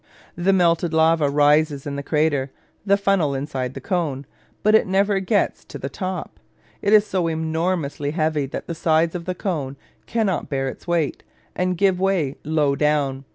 The melted lava rises in the crater the funnel inside the cone but it never gets to the top. It is so enormously heavy that the sides of the cone cannot bear its weight, and give way low down.